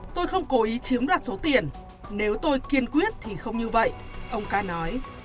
tôi không cố ý chiếm đoạt số tiền nếu tôi kiên quyết thì không như vậy ông ca nói